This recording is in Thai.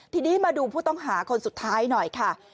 ทีนี้มาดูผู้ต้องหาคนสุดท้ายหน่อยค่ะ